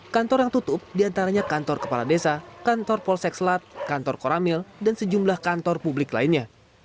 kantor yang tutup diantaranya kantor kepala desa kantor polsek selat kantor koramil dan sejumlah kantor publik lainnya